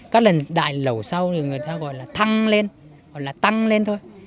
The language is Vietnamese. các lần đại lẩu sau thì người ta gọi là thăng lên gọi là tăng lên thôi